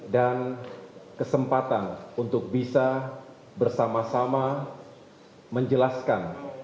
dan kesempatan untuk bisa bersama sama menjelaskan